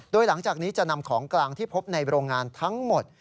โดยหลังจากนี้จะนำของกลางที่พบในโรงงานทั้งหมด